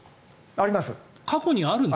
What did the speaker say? あります。